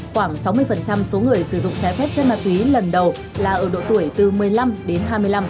khoảng sáu mươi số người sử dụng trái phép chất ma túy lần đầu là ở độ tuổi từ một mươi năm đến hai mươi năm